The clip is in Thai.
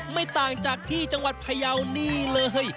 ไม่ต่างจากที่จังหวัดพยาวนี่เลย